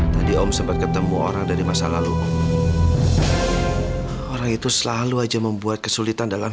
tadi om sempat ketemu orang dari masa lalu orang itu selalu aja membuat kesulitan dalam